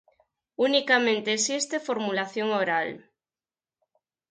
Unicamente existe formulación oral.